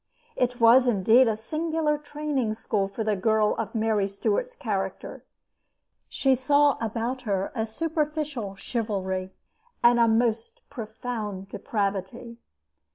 It was, indeed, a singular training school for a girl of Mary Stuart's character. She saw about her a superficial chivalry and a most profound depravity.